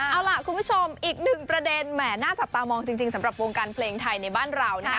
เอาล่ะคุณผู้ชมอีกหนึ่งประเด็นแหม่น่าจับตามองจริงสำหรับวงการเพลงไทยในบ้านเรานะคะ